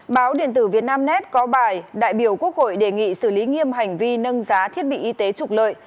báo điện tử việt nam net có bài đại biểu quốc hội đề nghị xử lý nghiêm hành vi nâng giá thiết bị y tế trục lợi